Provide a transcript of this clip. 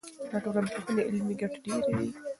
د ټولنپوهنې عملي ګټې ډېرې دي.